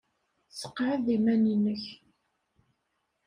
Sseqɛed iman-nnek.